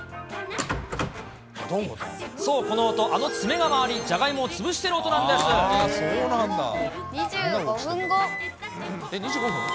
そう、この音、あのツメが回り、じゃがいもを潰している音なんで２５分後。